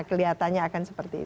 kelihatannya akan seperti itu